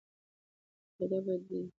بې فایده بد دی.